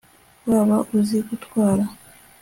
waba uzi gutwara